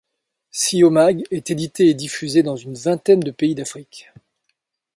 Cio Mag est édité et diffusé dans une vingtaine de pays d'Afrique.